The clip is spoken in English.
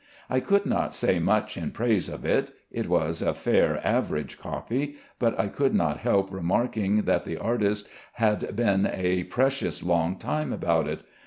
I could not say much in praise of it. It was a fair average copy, but I could not help remarking that the artist had been a precious long time about it.